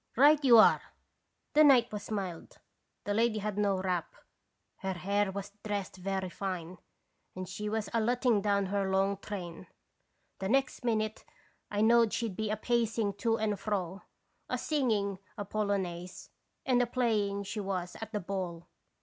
Right you are ! The night was mild, the lady had no wrap, her hair was dressed very fine, and she was a letting down her long train. The next minute I knowed she 'd be a pacing to and fro, a singing a polo naise, and a playing she was at the ball.